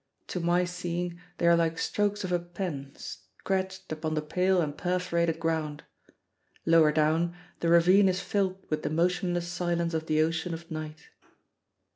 To my seeing they are like strokes of a pen scratched upon the pale and perforated ground. Lower down, the ravine is filled with the motionless silence of the ocean of night.